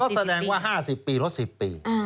แสดงว่า๕๐ปีลด๑๐ปี